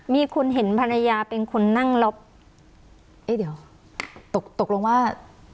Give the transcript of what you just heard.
มีคนเห็นภรรยาเป็นคนนั่งแล้วเอ๊ะเดี๋ยวตกตกลงว่า